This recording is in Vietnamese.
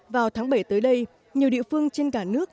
vào tháng bảy tới đây nhiều địa phương trên cả nước